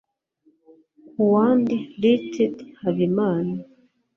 Ku wa nd Lt Habimana